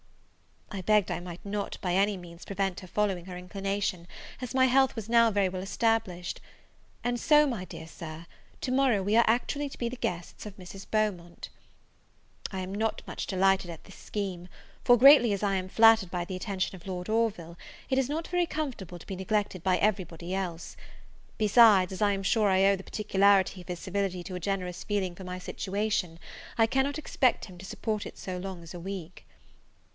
I begged I might not, by any means, prevent her following her inclination, as my health was now very well established. And so, my dear Sir, to morrow we are to be actually the guests of Mrs. Beaumont. I am not much delighted at this scheme; for, greatly as I am flattered by the attention of Lord Orville, it is not very comfortable to be neglected by every body else. Besides, as I am sure I owe the particularity of his civility to a generous feeling for my situation, I cannot expect him to support it so long as a week.